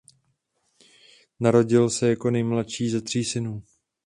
Narodil se jako nejmladší ze tří synů.